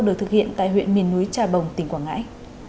được thực hiện tại huyện miền núi trà bồng tỉnh quảng ngãi